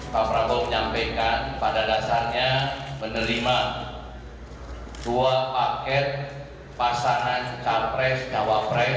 pak prabowo menyampaikan pada dasarnya menerima dua paket pasangan cawapres yang direkomendasikan oleh istimewa para ulama dan tokoh nasional